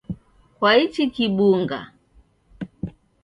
Kwaichi kubung’a?.